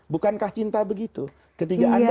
bukankah cinta begitu ketika anda